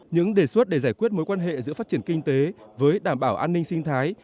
những đề xuất để giải quyết mối quan hệ giữa phát triển kinh tế với đảm bảo an ninh sinh thái